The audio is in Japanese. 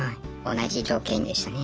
同じ条件でしたね。